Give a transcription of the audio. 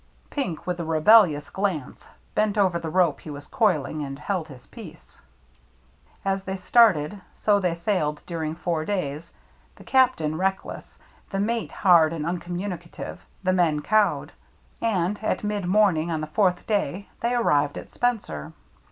Pink, with a rebellious glance, bent over the rope he was coiling and held his peace. As they started, so they sailed during four days — the Captain reckless, the mate hard and uncommunicative, the men cowed. And at mid morning on the fourth day they arrived at Spencer.